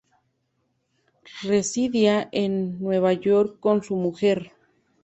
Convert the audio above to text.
Residía en Nueva York con su mujer.